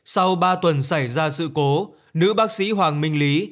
sau ba tuần xảy ra sự cố nữ bác sĩ hoàng minh lý